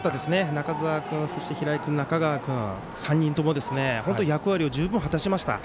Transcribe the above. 中澤君、そして平井君、中川君３人とも役割を十分果たしました。